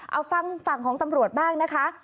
เอาฟังฝั่งของตำรวจบ้างนะคะ